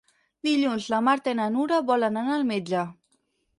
Dilluns na Marta i na Nura volen anar al metge.